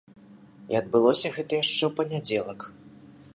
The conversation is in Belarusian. І адбылося гэта яшчэ ў панядзелак.